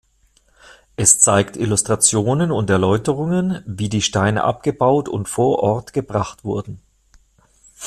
Es zeigt Illustrationen und Erläuterungen wie die Steine abgebaut und vor Ort gebracht wurden.